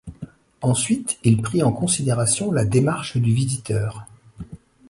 Ensuite, il prit en considération la démarche du visiteur.